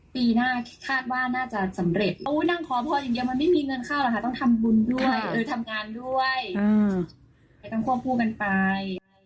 ต้องควบคู่กันไป